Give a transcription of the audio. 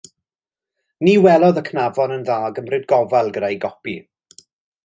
Ni welodd y cnafon yn dda gymryd gofal gyda'i gopi.